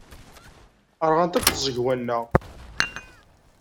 Rɣant akk tẓegwa-nneɣ.